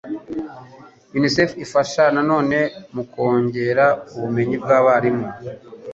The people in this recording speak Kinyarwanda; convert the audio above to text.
Unicef ifasha nanone mu kongera ubumenyi bw'abarimu